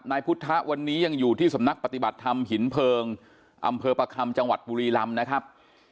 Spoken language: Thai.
นายพุทธะวันนี้ยังอยู่ที่สำนักปฏิบัติธรรมหินเพลิงอำเภอประคำจังหวัดบุรีลำนะครับ